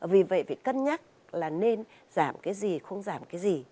vì vậy phải cân nhắc là nên giảm cái gì không giảm cái gì